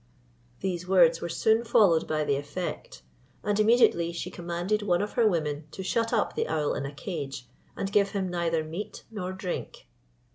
These words were soon followed by the effect, and immediately she commanded one of her women to shut up the owl in a cage, and give him neither meat nor drink.